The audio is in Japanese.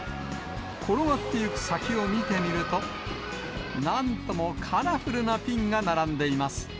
転がっていく先を見てみると、なんともカラフルなピンが並んでいます。